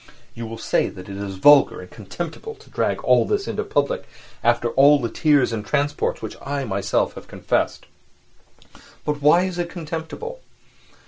You will say that it is vulgar and contemptible to drag all this into public after all the tears and transports which I have myself confessed. But why is it contemptible?